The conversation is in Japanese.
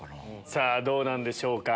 さぁどうなんでしょうか。